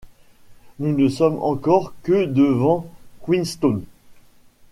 Nous ne sommes encore que devant Queenstown.